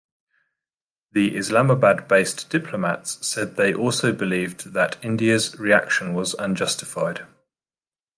The Islamabad-based diplomats said they also believed that India's reaction was unjustified.